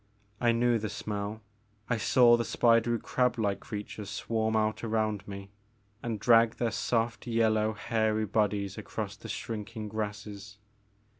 I knew the smell, I saw the spidery crab like creatures swarm out around me and drag their soft yellow hairy bodies across the shrinking grasses.